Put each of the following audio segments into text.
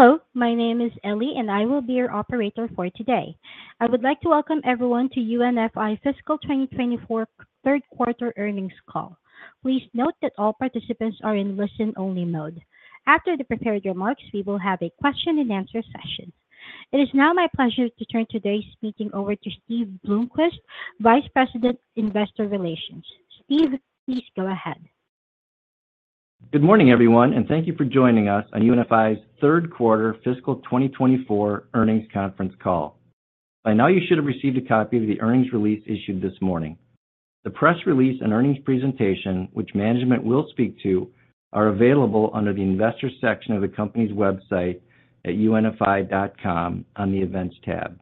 Hello, my name is Ellie, and I will be your operator for today. I would like to welcome everyone to UNFI Fiscal 2024 third quarter earnings call. Please note that all participants are in listen-only mode. After the prepared remarks, we will have a question-and-answer session. It is now my pleasure to turn today's speaking over to Steve Bloomquist, Vice President, Investor Relations. Steve, please go ahead. Good morning, everyone, and thank you for joining us on UNFI's third quarter fiscal 2024 earnings conference call. By now, you should have received a copy of the earnings release issued this morning. The press release and earnings presentation, which management will speak to, are available under the Investors section of the company's website at unfi.com on the Events tab.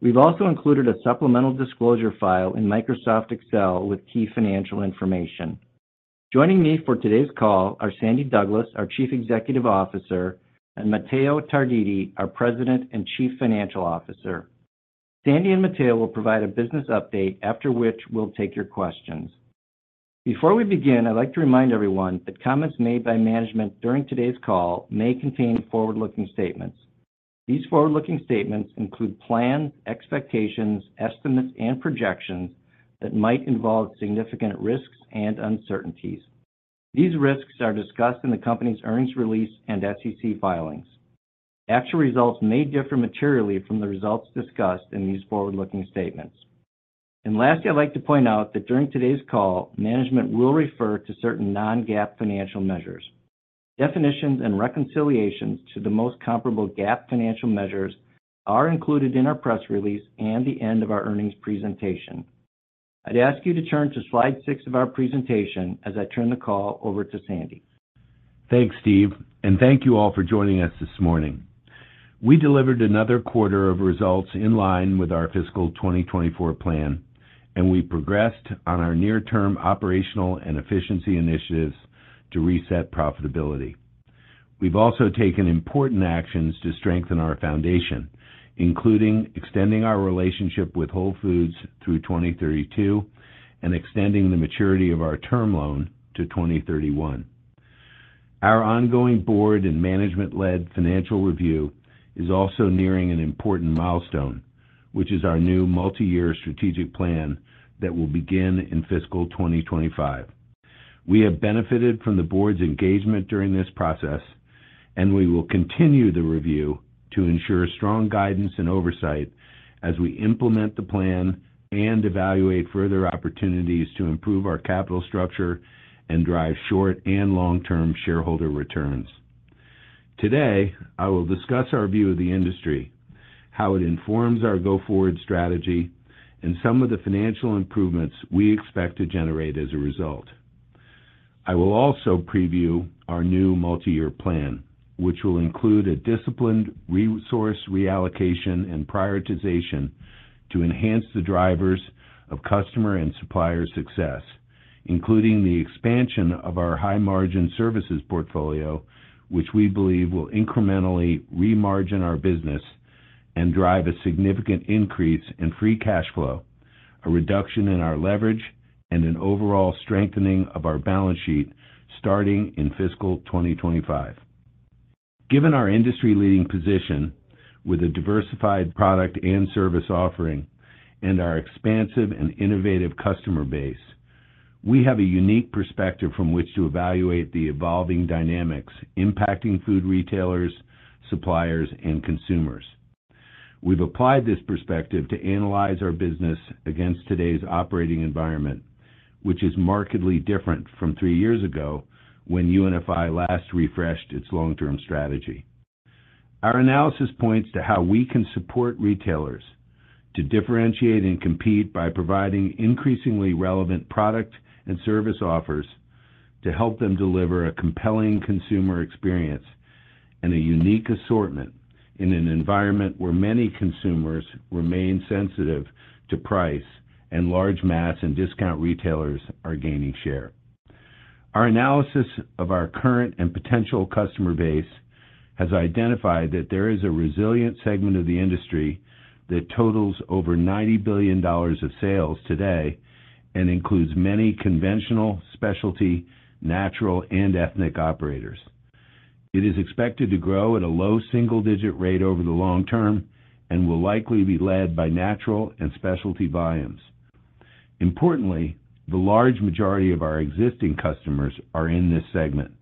We've also included a supplemental disclosure file in Microsoft Excel with key financial information. Joining me for today's call are Sandy Douglas, our Chief Executive Officer, and Matteo Tarditi, our President and Chief Financial Officer. Sandy and Matteo will provide a business update, after which we'll take your questions. Before we begin, I'd like to remind everyone that comments made by management during today's call may contain forward-looking statements. These forward-looking statements include plans, expectations, estimates, and projections that might involve significant risks and uncertainties. These risks are discussed in the company's earnings release and SEC filings. Actual results may differ materially from the results discussed in these forward-looking statements. And lastly, I'd like to point out that during today's call, management will refer to certain non-GAAP financial measures. Definitions and reconciliations to the most comparable GAAP financial measures are included in our press release and the end of our earnings presentation. I'd ask you to turn to slide 6 of our presentation as I turn the call over to Sandy. Thanks, Steve, and thank you all for joining us this morning. We delivered another quarter of results in line with our fiscal 2024 plan, and we progressed on our near-term operational and efficiency initiatives to reset profitability. We've also taken important actions to strengthen our foundation, including extending our relationship with Whole Foods through 2032 and extending the maturity of our term loan to 2031. Our ongoing board and management-led financial review is also nearing an important milestone, which is our new multi-year strategic plan that will begin in fiscal 2025. We have benefited from the board's engagement during this process, and we will continue the review to ensure strong guidance and oversight as we implement the plan and evaluate further opportunities to improve our capital structure and drive short and long-term shareholder returns. Today, I will discuss our view of the industry, how it informs our go-forward strategy, and some of the financial improvements we expect to generate as a result. I will also preview our new multi-year plan, which will include a disciplined resource reallocation and prioritization to enhance the drivers of customer and supplier success, including the expansion of our high-margin services portfolio, which we believe will incrementally remargin our business and drive a significant increase in free cash flow, a reduction in our leverage, and an overall strengthening of our balance sheet starting in fiscal 2025. Given our industry-leading position with a diversified product and service offering and our expansive and innovative customer base, we have a unique perspective from which to evaluate the evolving dynamics impacting food retailers, suppliers, and consumers. We've applied this perspective to analyze our business against today's operating environment, which is markedly different from three years ago when UNFI last refreshed its long-term strategy. Our analysis points to how we can support retailers to differentiate and compete by providing increasingly relevant product and service offers to help them deliver a compelling consumer experience and a unique assortment in an environment where many consumers remain sensitive to price and large mass and discount retailers are gaining share. Our analysis of our current and potential customer base has identified that there is a resilient segment of the industry that totals over $90 billion of sales today and includes many conventional, specialty, natural, and ethnic operators. It is expected to grow at a low single-digit rate over the long term and will likely be led by natural and specialty volumes. Importantly, the large majority of our existing customers are in this segment,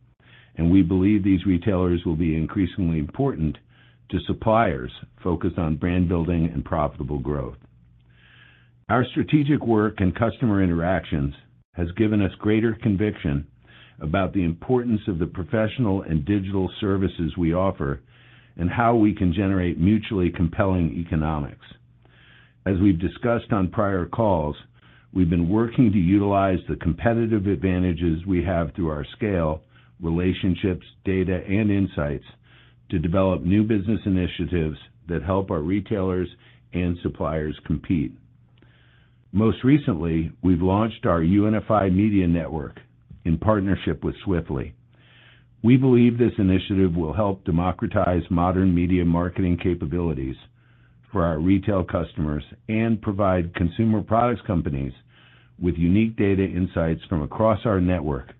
and we believe these retailers will be increasingly important to suppliers focused on brand building and profitable growth. Our strategic work and customer interactions has given us greater conviction about the importance of the professional and digital services we offer and how we can generate mutually compelling economics. As we've discussed on prior calls, we've been working to utilize the competitive advantages we have through our scale, relationships, data, and insights to develop new business initiatives that help our retailers and suppliers compete. Most recently, we've launched our UNFI Media Network in partnership with Swiftly. We believe this initiative will help democratize modern media marketing capabilities-... for our retail customers and provide consumer products companies with unique data insights from across our network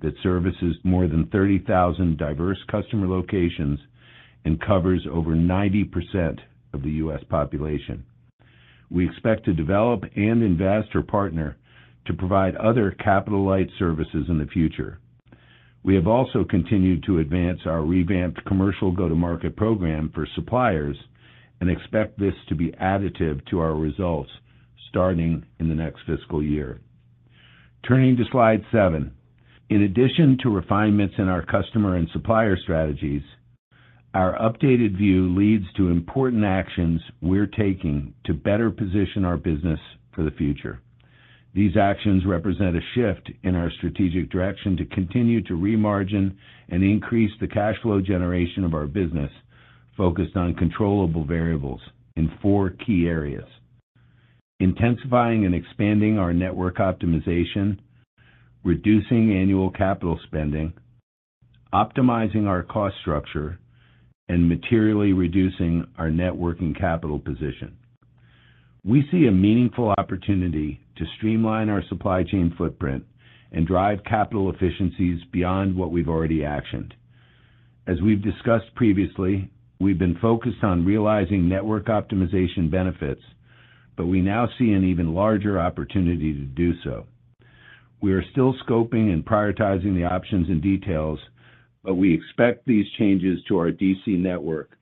that services more than 30,000 diverse customer locations and covers over 90% of the U.S. population. We expect to develop and invest or partner to provide other capital-light services in the future. We have also continued to advance our revamped commercial go-to-market program for suppliers, and expect this to be additive to our results starting in the next fiscal year. Turning to slide seven. In addition to refinements in our customer and supplier strategies, our updated view leads to important actions we're taking to better position our business for the future. These actions represent a shift in our strategic direction to continue to remargin and increase the cash flow generation of our business, focused on controllable variables in four key areas: intensifying and expanding our network optimization, reducing annual capital spending, optimizing our cost structure, and materially reducing our net working capital position. We see a meaningful opportunity to streamline our supply chain footprint and drive capital efficiencies beyond what we've already actioned. As we've discussed previously, we've been focused on realizing network optimization benefits, but we now see an even larger opportunity to do so. We are still scoping and prioritizing the options and details, but we expect these changes to our DC network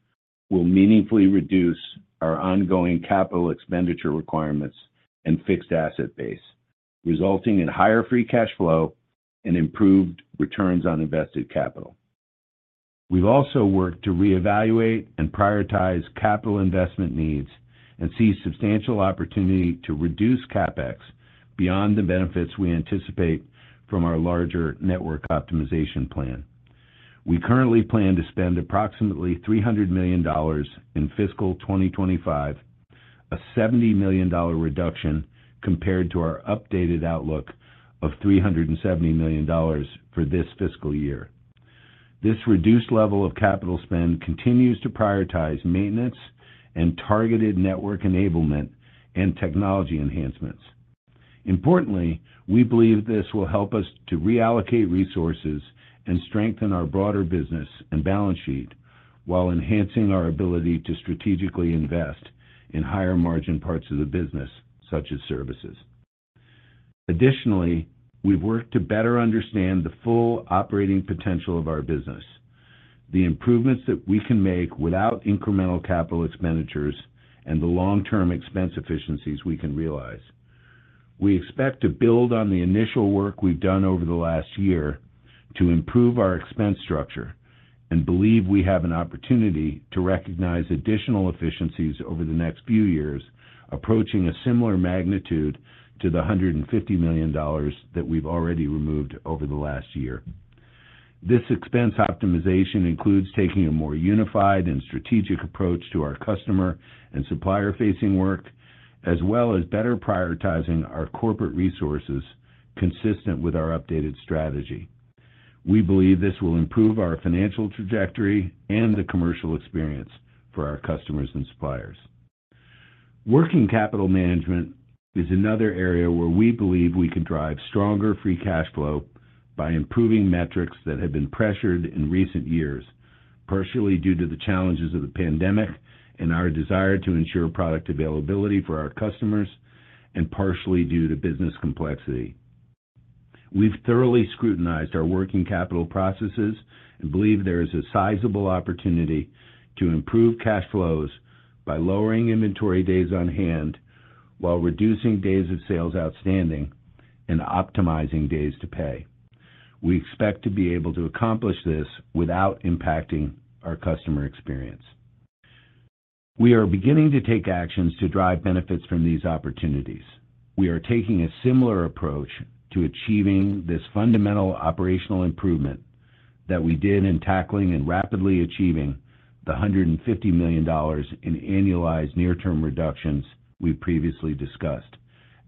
will meaningfully reduce our ongoing capital expenditure requirements and fixed asset base, resulting in higher free cash flow and improved returns on invested capital. We've also worked to reevaluate and prioritize capital investment needs and see substantial opportunity to reduce CapEx beyond the benefits we anticipate from our larger network optimization plan. We currently plan to spend approximately $300 million in fiscal 2025, a $70 million reduction compared to our updated outlook of $370 million for this fiscal year. This reduced level of capital spend continues to prioritize maintenance and targeted network enablement and technology enhancements. Importantly, we believe this will help us to reallocate resources and strengthen our broader business and balance sheet, while enhancing our ability to strategically invest in higher-margin parts of the business, such as services. Additionally, we've worked to better understand the full operating potential of our business, the improvements that we can make without incremental capital expenditures, and the long-term expense efficiencies we can realize. We expect to build on the initial work we've done over the last year to improve our expense structure, and believe we have an opportunity to recognize additional efficiencies over the next few years, approaching a similar magnitude to the $150 million that we've already removed over the last year. This expense optimization includes taking a more unified and strategic approach to our customer and supplier-facing work, as well as better prioritizing our corporate resources consistent with our updated strategy. We believe this will improve our financial trajectory and the commercial experience for our customers and suppliers. Working capital management is another area where we believe we can drive stronger free cash flow by improving metrics that have been pressured in recent years, partially due to the challenges of the pandemic and our desire to ensure product availability for our customers, and partially due to business complexity. We've thoroughly scrutinized our working capital processes and believe there is a sizable opportunity to improve cash flows by lowering inventory days on hand while reducing days of sales outstanding and optimizing days to pay. We expect to be able to accomplish this without impacting our customer experience. We are beginning to take actions to drive benefits from these opportunities. We are taking a similar approach to achieving this fundamental operational improvement that we did in tackling and rapidly achieving the $150 million in annualized near-term reductions we previously discussed,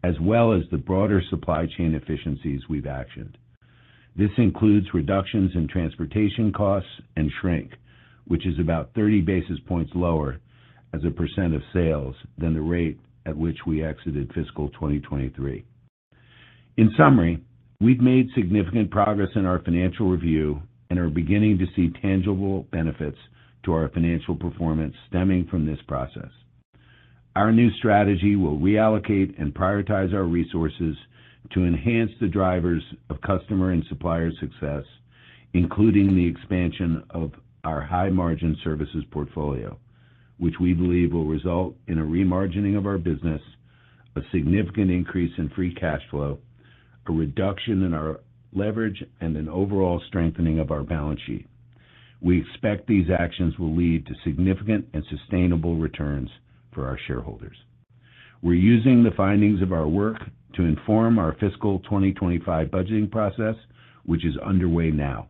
as well as the broader supply chain efficiencies we've actioned. This includes reductions in transportation costs and shrink, which is about 30 basis points lower as a percent of sales than the rate at which we exited fiscal 2023. In summary, we've made significant progress in our financial review and are beginning to see tangible benefits to our financial performance stemming from this process. Our new strategy will reallocate and prioritize our resources to enhance the drivers of customer and supplier success, including the expansion of our high-margin services portfolio, which we believe will result in a remargining of our business, a significant increase in free cash flow, a reduction in our leverage, and an overall strengthening of our balance sheet. We expect these actions will lead to significant and sustainable returns for our shareholders. We're using the findings of our work to inform our fiscal 2025 budgeting process, which is underway now.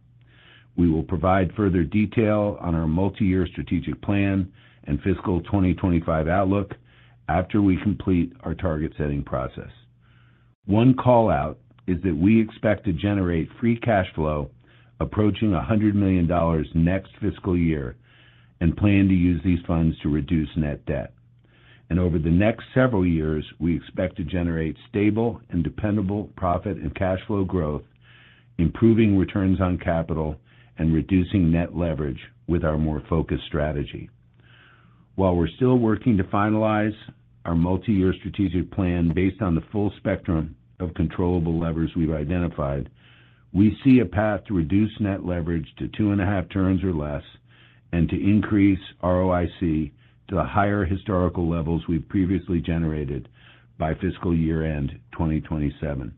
We will provide further detail on our multiyear strategic plan and fiscal 2025 outlook after we complete our target-setting process.... One call-out is that we expect to generate free cash flow approaching $100 million next fiscal year, and plan to use these funds to reduce net debt. Over the next several years, we expect to generate stable and dependable profit and cash flow growth, improving returns on capital and reducing net leverage with our more focused strategy. While we're still working to finalize our multi-year strategic plan based on the full spectrum of controllable levers we've identified, we see a path to reduce net leverage to 2.5 turns or less, and to increase ROIC to the higher historical levels we've previously generated by fiscal year end, 2027.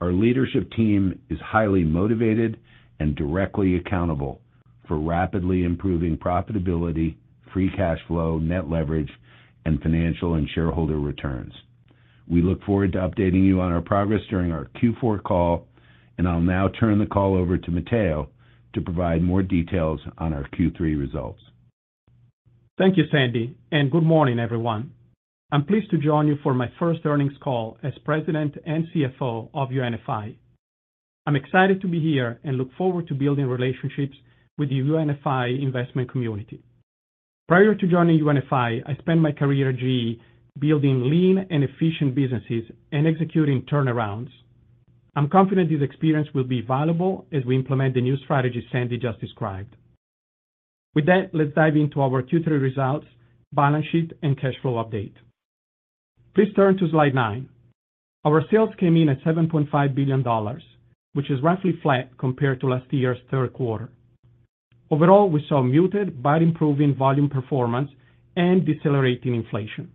Our leadership team is highly motivated and directly accountable for rapidly improving profitability, free cash flow, net leverage, and financial and shareholder returns. We look forward to updating you on our progress during our Q4 call, and I'll now turn the call over to Matteo to provide more details on our Q3 results. Thank you, Sandy, and good morning, everyone. I'm pleased to join you for my first earnings call as President and CFO of UNFI. I'm excited to be here and look forward to building relationships with the UNFI investment community. Prior to joining UNFI, I spent my career at GE building lean and efficient businesses and executing turnarounds. I'm confident this experience will be valuable as we implement the new strategy Sandy just described. With that, let's dive into our Q3 results, balance sheet, and cash flow update. Please turn to slide nine. Our sales came in at $7.5 billion, which is roughly flat compared to last year's third quarter. Overall, we saw muted but improving volume performance and decelerating inflation.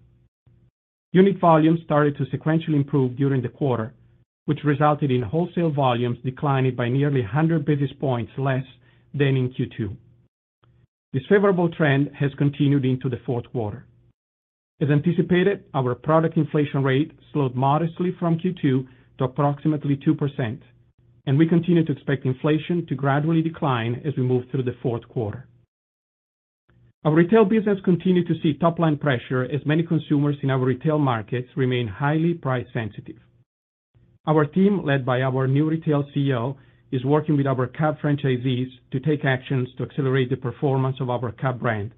Unit volumes started to sequentially improve during the quarter, which resulted in wholesale volumes declining by nearly 100 basis points less than in Q2. This favorable trend has continued into the fourth quarter. As anticipated, our product inflation rate slowed modestly from Q2 to approximately 2%, and we continue to expect inflation to gradually decline as we move through the fourth quarter. Our retail business continued to see top-line pressure as many consumers in our retail markets remain highly price sensitive. Our team, led by our new Retail CEO, is working with our Cub franchisees to take actions to accelerate the performance of our Cub brand,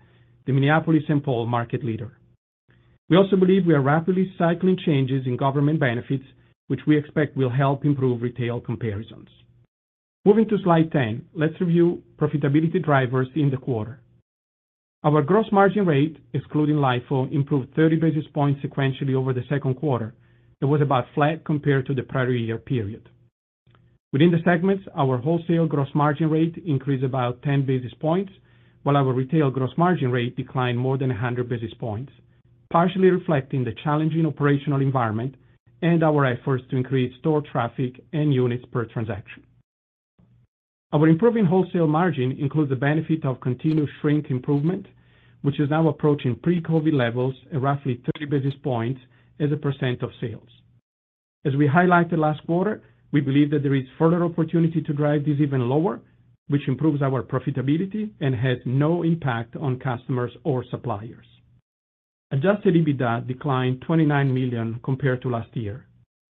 the Minneapolis-Saint Paul market leader. We also believe we are rapidly cycling changes in government benefits, which we expect will help improve retail comparisons. Moving to slide 10, let's review profitability drivers in the quarter. Our gross margin rate, excluding LIFO, improved 30 basis points sequentially over the second quarter. It was about flat compared to the prior year period. Within the segments, our wholesale gross margin rate increased about 10 basis points, while our retail gross margin rate declined more than 100 basis points, partially reflecting the challenging operational environment and our efforts to increase store traffic and units per transaction. Our improving wholesale margin includes the benefit of continued shrink improvement, which is now approaching pre-COVID levels at roughly 30 basis points as a percent of sales. As we highlighted last quarter, we believe that there is further opportunity to drive this even lower, which improves our profitability and has no impact on customers or suppliers. Adjusted EBITDA declined $29 million compared to last year.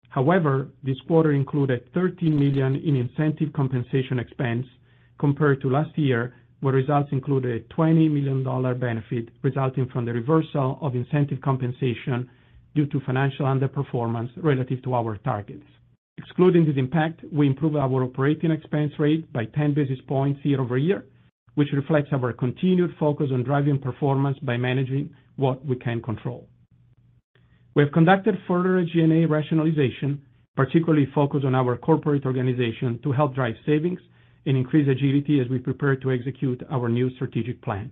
However, this quarter included $13 million in incentive compensation expense compared to last year, where results included a $20 million benefit resulting from the reversal of incentive compensation due to financial underperformance relative to our targets. Excluding this impact, we improved our operating expense rate by 10 basis points year-over-year, which reflects our continued focus on driving performance by managing what we can control. We have conducted further G&A rationalization, particularly focused on our corporate organization, to help drive savings and increase agility as we prepare to execute our new strategic plan.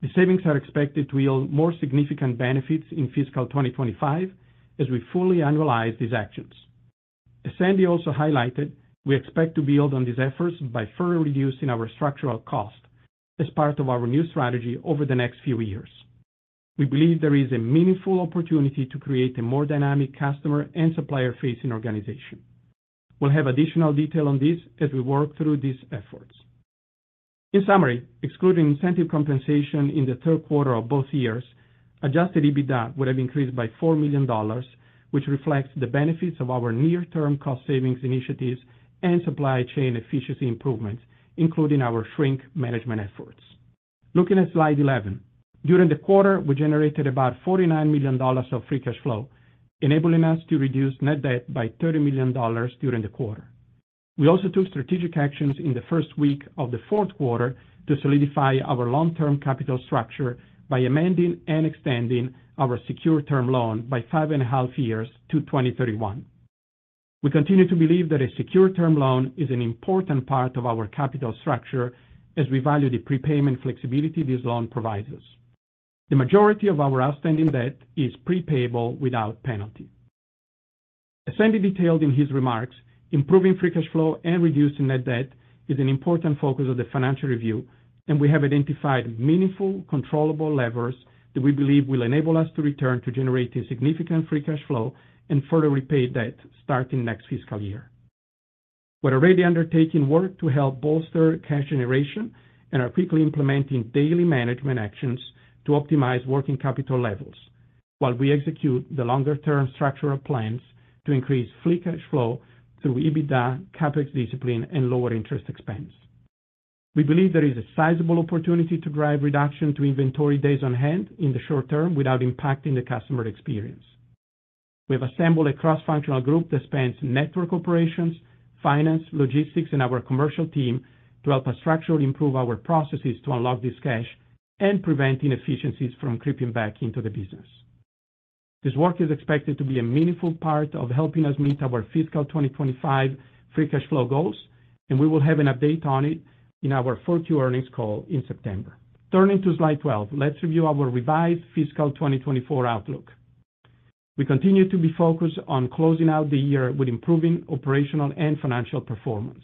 The savings are expected to yield more significant benefits in fiscal 2025 as we fully annualize these actions. As Sandy also highlighted, we expect to build on these efforts by further reducing our structural cost as part of our new strategy over the next few years. We believe there is a meaningful opportunity to create a more dynamic customer and supplier-facing organization. We'll have additional detail on this as we work through these efforts. In summary, excluding incentive compensation in the third quarter of both years, Adjusted EBITDA would have increased by $4 million, which reflects the benefits of our near-term cost savings initiatives and supply chain efficiency improvements, including our shrink management efforts. Looking at slide 11, during the quarter, we generated about $49 million of free cash flow, enabling us to reduce net debt by $30 million during the quarter. We also took strategic actions in the first week of the fourth quarter to solidify our long-term capital structure by amending and extending our secured term loan by 5.5 years to 2031. We continue to believe that a secured term loan is an important part of our capital structure as we value the prepayment flexibility this loan provides us. The majority of our outstanding debt is prepayable without penalty. As Sandy detailed in his remarks, improving free cash flow and reducing net debt is an important focus of the financial review, and we have identified meaningful, controllable levers that we believe will enable us to return to generating significant free cash flow and further repay debt starting next fiscal year.... We're already undertaking work to help bolster cash generation and are quickly implementing daily management actions to optimize working capital levels, while we execute the longer-term structural plans to increase free cash flow through EBITDA, CapEx discipline, and lower interest expense. We believe there is a sizable opportunity to drive reduction to inventory days on hand in the short term without impacting the customer experience. We have assembled a cross-functional group that spans network operations, finance, logistics, and our commercial team to help us structurally improve our processes to unlock this cash and prevent inefficiencies from creeping back into the business. This work is expected to be a meaningful part of helping us meet our fiscal 2025 free cash flow goals, and we will have an update on it in our 4Q earnings call in September. Turning to slide 12, let's review our revised fiscal 2024 outlook. We continue to be focused on closing out the year with improving operational and financial performance.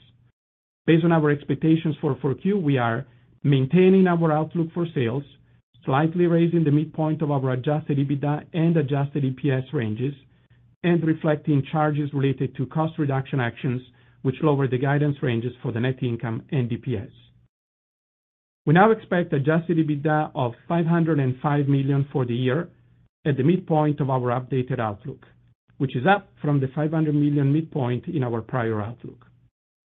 Based on our expectations for 4Q, we are maintaining our outlook for sales, slightly raising the midpoint of our adjusted EBITDA and adjusted EPS ranges, and reflecting charges related to cost reduction actions, which lower the guidance ranges for the net income and EPS. We now expect Adjusted EBITDA of $505 million for the year at the midpoint of our updated outlook, which is up from the $500 million midpoint in our prior outlook.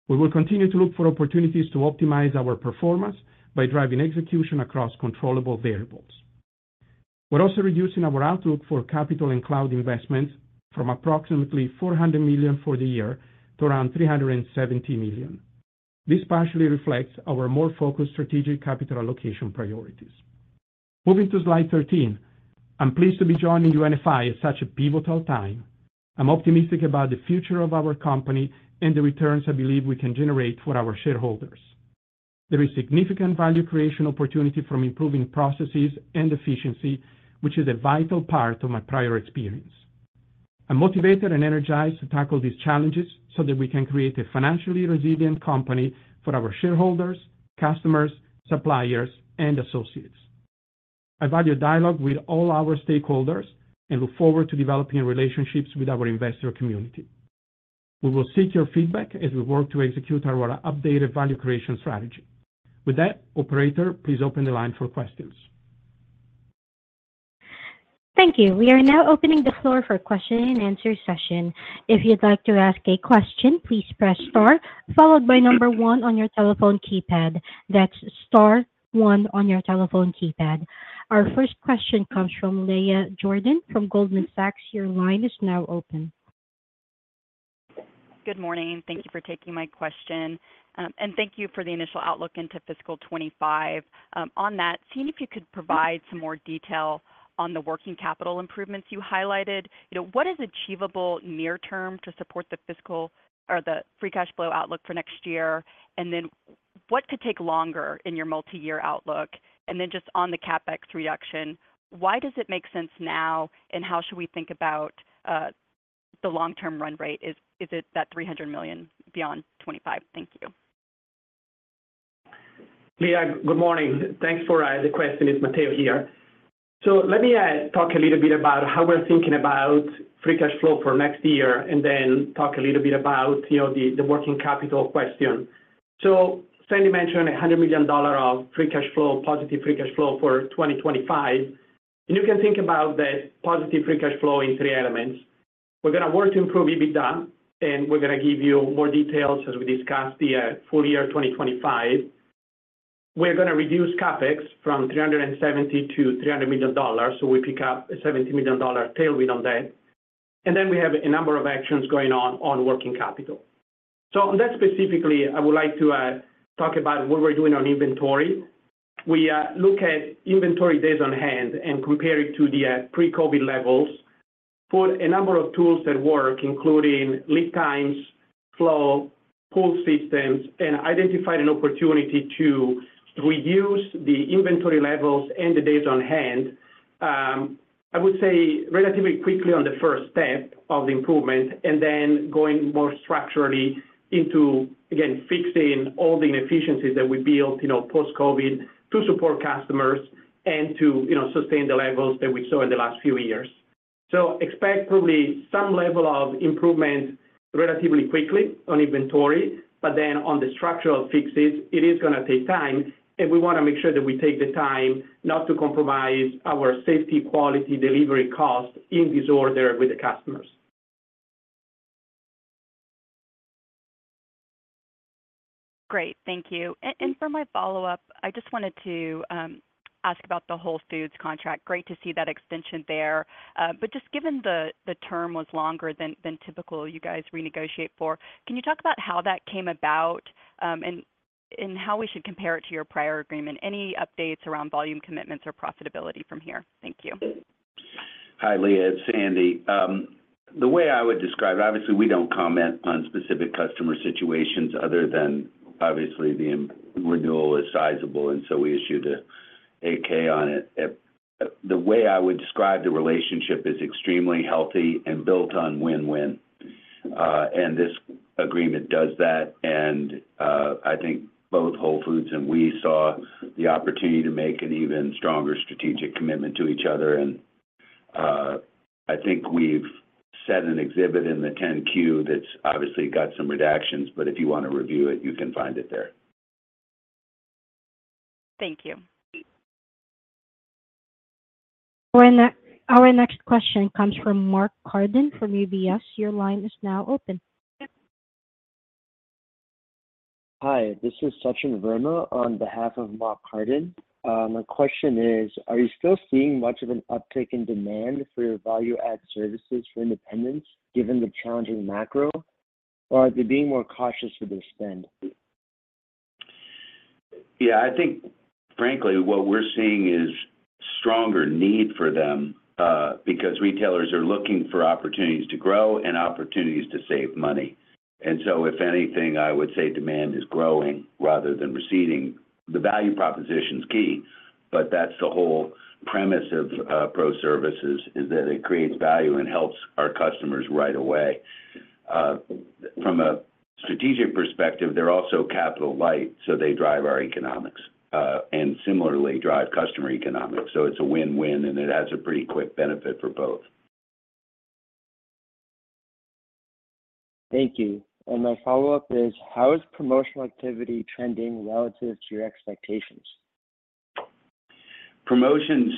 We will continue to look for opportunities to optimize our performance by driving execution across controllable variables. We're also reducing our outlook for capital and cloud investments from approximately $400 million for the year to around $370 million. This partially reflects our more focused strategic capital allocation priorities. Moving to slide 13. I'm pleased to be joining UNFI at such a pivotal time. I'm optimistic about the future of our company and the returns I believe we can generate for our shareholders. There is significant value creation opportunity from improving processes and efficiency, which is a vital part of my prior experience. I'm motivated and energized to tackle these challenges so that we can create a financially resilient company for our shareholders, customers, suppliers, and associates. I value dialogue with all our stakeholders and look forward to developing relationships with our investor community. We will seek your feedback as we work to execute our updated value creation strategy. With that, operator, please open the line for questions. Thank you. We are now opening the floor for question and answer session. If you'd like to ask a question, please press star, followed by number one on your telephone keypad. That's star one on your telephone keypad. Our first question comes from Leah Jordan from Goldman Sachs. Your line is now open. Good morning. Thank you for taking my question, and thank you for the initial outlook into fiscal 2025. On that, seeing if you could provide some more detail on the working capital improvements you highlighted. You know, what is achievable near term to support the fiscal or the free cash flow outlook for next year? And then what could take longer in your multiyear outlook? And then just on the CapEx reduction, why does it make sense now, and how should we think about the long-term run rate? Is it that $300 million beyond 2025? Thank you. Leah, good morning. Thanks for the question. It's Matteo here. So let me talk a little bit about how we're thinking about free cash flow for next year, and then talk a little bit about, you know, the, the working capital question. So Sandy mentioned $100 million of free cash flow, positive free cash flow for 2025, and you can think about the positive free cash flow in three elements. We're going to work to improve EBITDA, and we're going to give you more details as we discuss the full year 2025. We're going to reduce CapEx from $370 million to $300 million, so we pick up a $70 million tailwind on that. And then we have a number of actions going on, on working capital. So on that specifically, I would like to talk about what we're doing on inventory. We look at inventory days on hand and compare it to the pre-COVID levels. Put a number of tools at work, including lead times, flow, pull systems, and identified an opportunity to reduce the inventory levels and the days on hand, I would say, relatively quickly on the first step of the improvement, and then going more structurally into, again, fixing all the inefficiencies that we built, you know, post-COVID to support customers and to, you know, sustain the levels that we saw in the last few years. Expect probably some level of improvement relatively quickly on inventory, but then on the structural fixes, it is going to take time, and we want to make sure that we take the time not to compromise our safety, quality, delivery, cost in this order with the customers. Great. Thank you. And for my follow-up, I just wanted to ask about the Whole Foods contract. Great to see that extension there. But just given the term was longer than typical, you guys renegotiate for, can you talk about how that came about, and how we should compare it to your prior agreement? Any updates around volume commitments or profitability from here? Thank you. Hi, Leah, it's Andy. The way I would describe it, obviously, we don't comment on specific customer situations other than obviously, the renewal is sizable, and so we issued a 8-K on it. The way I would describe the relationship is extremely healthy and built on win-win. And this agreement does that, and, I think both Whole Foods and we saw the opportunity to make an even stronger strategic commitment to each other. I think we've set an exhibit in the 10-Q that's obviously got some redactions, but if you want to review it, you can find it there. Thank you. Our next question comes from Mark Carden from UBS. Your line is now open. Hi, this is Sachin Verma on behalf of Mark Carden. My question is, are you still seeing much of an uptick in demand for your value-add services for independents, given the challenging macro, or are they being more cautious with their spend? Yeah, I think, frankly, what we're seeing is stronger need for them, because retailers are looking for opportunities to grow and opportunities to save money. And so, if anything, I would say demand is growing rather than receding. The value proposition is key, but that's the whole premise of, pro services, is that it creates value and helps our customers right away. From a strategic perspective, they're also capital light, so they drive our economics, and similarly drive customer economics. So it's a win-win, and it has a pretty quick benefit for both. Thank you. My follow-up is: How is promotional activity trending relative to your expectations? Promotions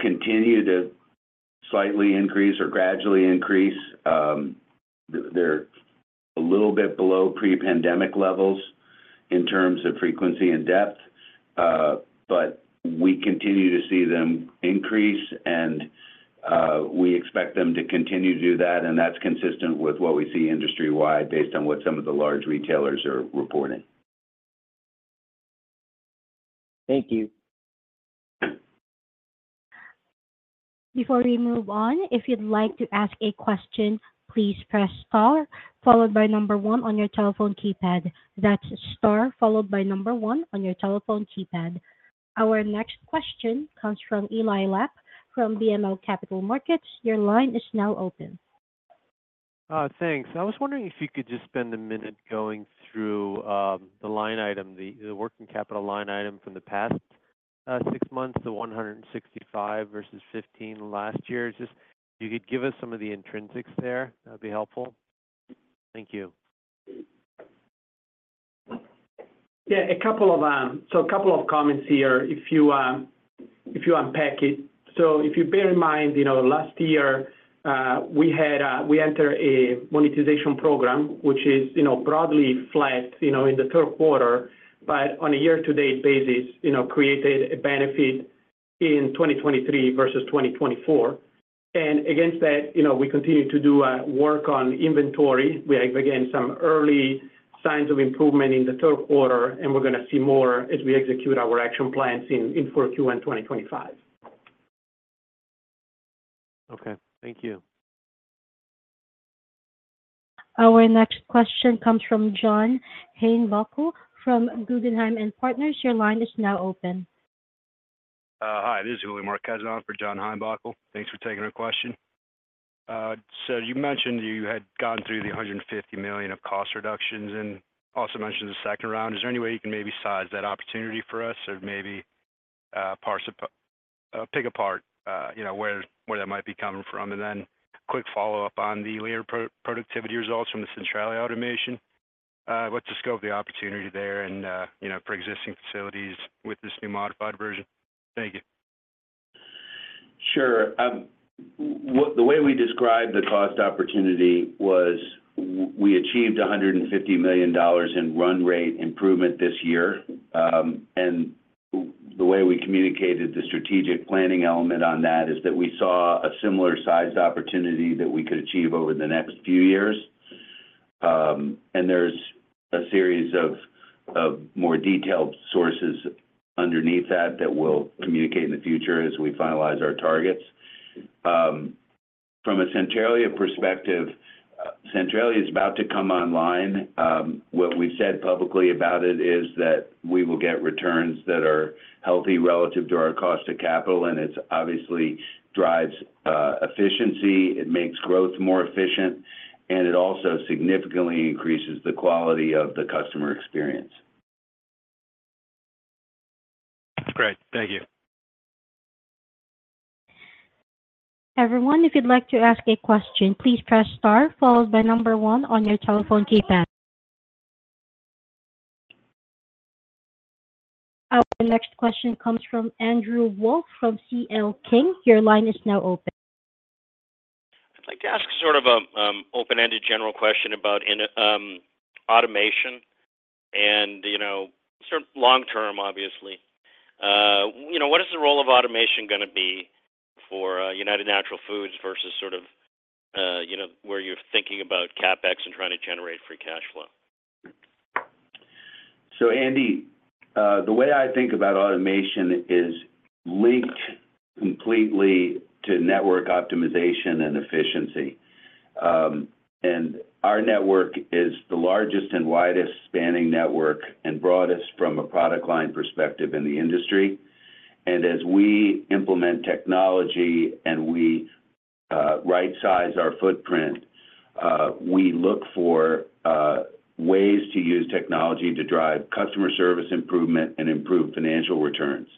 continue to slightly increase or gradually increase. They're a little bit below pre-pandemic levels in terms of frequency and depth, but we continue to see them increase, and we expect them to continue to do that, and that's consistent with what we see industry-wide, based on what some of the large retailers are reporting. Thank you. Before we move on, if you'd like to ask a question, please press star followed by number one on your telephone keypad. That's star followed by number one on your telephone keypad. Our next question comes from Eli Lapp from BMO Capital Markets. Your line is now open. Thanks. I was wondering if you could just spend a minute going through the line item, the working capital line item from the past six months, the $165 versus $15 last year. Just if you could give us some of the intrinsics there, that'd be helpful. Thank you. Yeah, a couple of... So a couple of comments here, if you unpack it. So if you bear in mind, you know, last year we had we entered a monetization program, which is, you know, broadly flat, you know, in the third quarter, but on a year-to-date basis, you know, created a benefit in 2023 versus 2024. And against that, you know, we continue to do work on inventory. We are, again, some early signs of improvement in the third quarter, and we're gonna see more as we execute our action plans in 4Q in 2025. Okay, thank you. Our next question comes from John Heinbockel from Guggenheim Partners. Your line is now open. Hi, this is Julio Marquez on for John Heinbockel. Thanks for taking our question. So you mentioned you had gone through the $150 million of cost reductions and also mentioned the second round. Is there any way you can maybe size that opportunity for us or maybe pick apart, you know, where that might be coming from? And then quick follow-up on the labor productivity results from the Centralia automation. What's the scope of the opportunity there and, you know, for existing facilities with this new modified version? Thank you. Sure. The way we described the cost opportunity was, we achieved $150 million in run rate improvement this year. And the way we communicated the strategic planning element on that is that we saw a similar sized opportunity that we could achieve over the next few years. And there's a series of more detailed sources underneath that, that we'll communicate in the future as we finalize our targets. From a Centralia perspective, Centralia is about to come online. What we've said publicly about it is that we will get returns that are healthy relative to our cost of capital, and it obviously drives efficiency, it makes growth more efficient, and it also significantly increases the quality of the customer experience. Great. Thank you. Everyone, if you'd like to ask a question, please press star followed by number one on your telephone keypad. Our next question comes from Andrew Wolf from C.L. King. Your line is now open. I'd like to ask sort of open-ended general question about automation and, you know, sort of long-term, obviously. You know, what is the role of automation gonna be for United Natural Foods versus sort of you know, where you're thinking about CapEx and trying to generate free cash flow? So, Andy, the way I think about automation is linked completely to network optimization and efficiency. And our network is the largest and widest spanning network and broadest from a product line perspective in the industry. And as we implement technology and rightsize our footprint. We look for ways to use technology to drive customer service improvement and improve financial returns.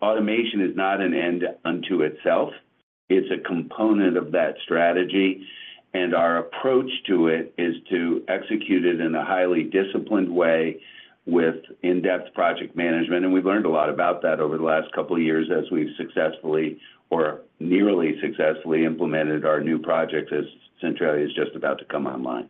Automation is not an end unto itself, it's a component of that strategy, and our approach to it is to execute it in a highly disciplined way with in-depth project management. And we've learned a lot about that over the last couple of years as we've successfully or nearly successfully implemented our new project, as Centralia is just about to come online.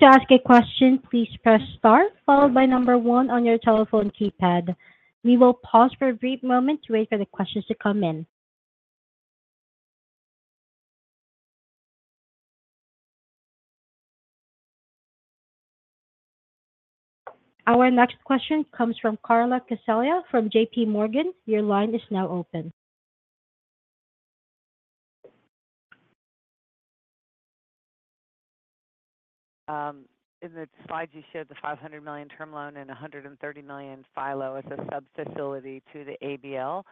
To ask a question, please press star, followed by number one on your telephone keypad. We will pause for a brief moment to wait for the questions to come in. Our next question comes from Carla Casella from JPMorgan. Your line is now open. In the slide, you showed the $500 million term loan and $130 million FILO as a sub-facility to the ABL.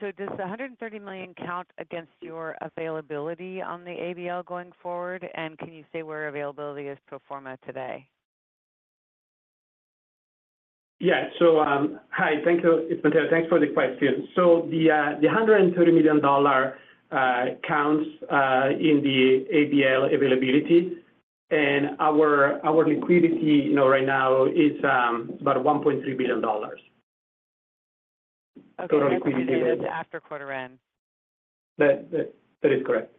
So does the $130 million count against your availability on the ABL going forward, and can you say where availability is pro forma today? Yeah. So, hi. Thank you. It's Matteo. Thanks for the question. So the hundred and thirty million dollar counts in the ABL availability, and our liquidity, you know, right now is about $1.3 billion. Okay. Total liquidity. After quarter end. That is correct.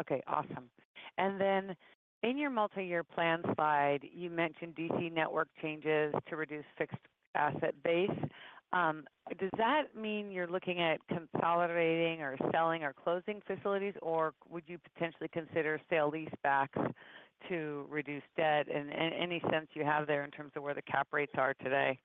Okay, awesome. And then in your multi-year plan slide, you mentioned DC network changes to reduce fixed asset base. Does that mean you're looking at consolidating or selling or closing facilities, or would you potentially consider sale-leaseback to reduce debt? And any sense you have there in terms of where the cap rates are today?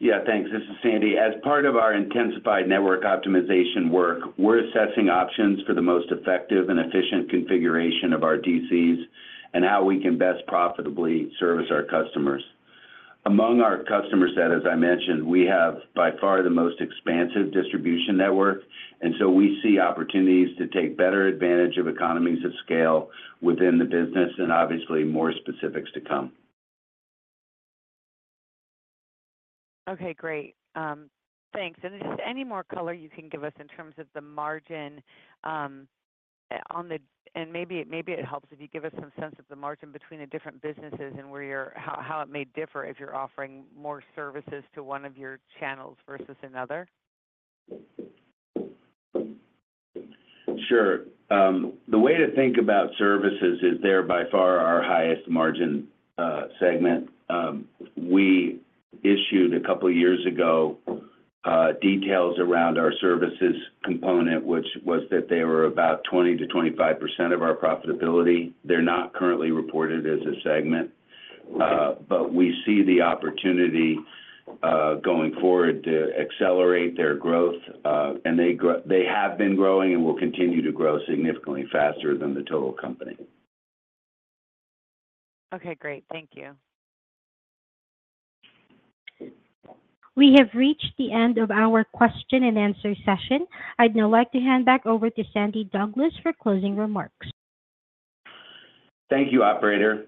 Yeah, thanks. This is Sandy. As part of our intensified network optimization work, we're assessing options for the most effective and efficient configuration of our DCs and how we can best profitably service our customers. Among our customer set, as I mentioned, we have by far the most expansive distribution network, and so we see opportunities to take better advantage of economies of scale within the business, and obviously, more specifics to come. Okay, great. Thanks. And just any more color you can give us in terms of the margin, on the-- and maybe, maybe it helps if you give us some sense of the margin between the different businesses and where you're... How, how it may differ if you're offering more services to one of your channels versus another? Sure. The way to think about services is they're by far our highest margin segment. We issued a couple of years ago details around our services component, which was that they were about 20%-25% of our profitability. They're not currently reported as a segment, but we see the opportunity going forward to accelerate their growth. They have been growing and will continue to grow significantly faster than the total company. Okay, great. Thank you. We have reached the end of our question-and-answer session. I'd now like to hand back over to Sandy Douglas for closing remarks. Thank you, operator.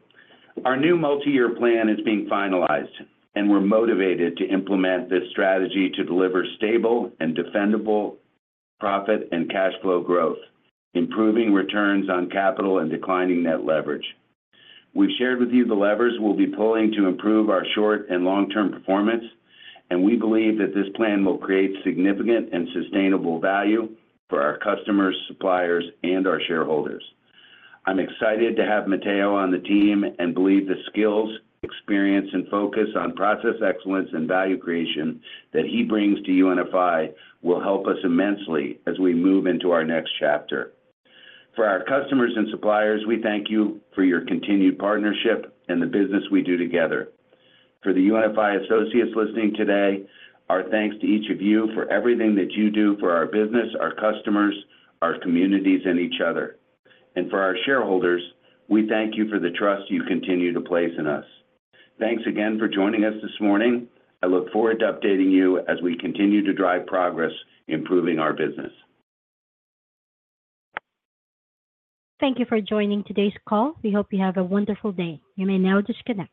Our new multi-year plan is being finalized, and we're motivated to implement this strategy to deliver stable and defendable profit and cash flow growth, improving returns on capital and declining net leverage. We've shared with you the levers we'll be pulling to improve our short- and long-term performance, and we believe that this plan will create significant and sustainable value for our customers, suppliers, and our shareholders. I'm excited to have Matteo on the team and believe the skills, experience, and focus on process excellence and value creation that he brings to UNFI will help us immensely as we move into our next chapter. For our customers and suppliers, we thank you for your continued partnership and the business we do together. For the UNFI associates listening today, our thanks to each of you for everything that you do for our business, our customers, our communities, and each other. For our shareholders, we thank you for the trust you continue to place in us. Thanks again for joining us this morning. I look forward to updating you as we continue to drive progress, improving our business. Thank you for joining today's call. We hope you have a wonderful day. You may now disconnect.